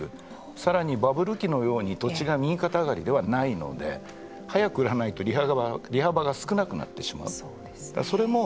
さらにバブル期のように土地が右肩上がりではないので早く売らないと利幅が少なくなってしまう。